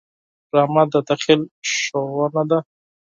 ډرامه د تخیل ښودنه ده